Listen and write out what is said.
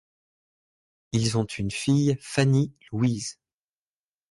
Ils ont une fille Fanny Louise.